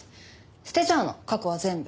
捨てちゃうの過去は全部。